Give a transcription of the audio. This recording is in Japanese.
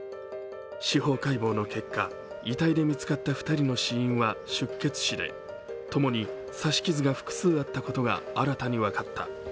司法解剖の結果、遺体で見つかった２人の死因は失血死で、共に刺し傷が複数あったことが新たに分かった。